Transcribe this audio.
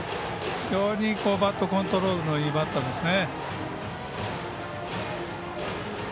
非常にバットコントロールのいいバッターですね。